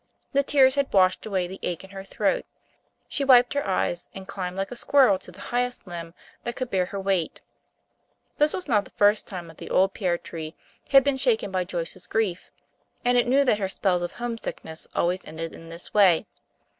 The tears had washed away the ache in her throat. She wiped her eyes and climbed liked a squirrel to the highest limb that could bear her weight. This was not the first time that the old pear tree had been shaken by Joyce's grief, and it knew that her spells of homesickness always ended in this way.